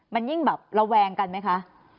มันยิ่งแบบระแวงกันไหมคะ